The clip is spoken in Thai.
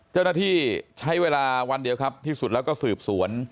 เจ้าหน้าที่ใช้เวลาวันเดียวครับที่สุดแล้วก็สืบสวน